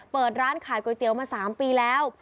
เปิดร้านขายก๋วยเตี๋ยวมา๓ปีแล้ว